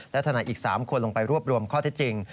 และทนายอีก๓คนลงไปรวบรวมข้อเท็จจริง